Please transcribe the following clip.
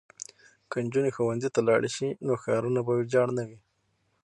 که نجونې ښوونځي ته لاړې شي نو ښارونه به ویجاړ نه وي.